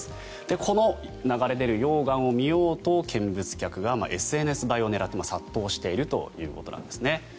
この流れ出る溶岩を見ようと見物客がＳＮＳ映えを狙って殺到しているということなんですね。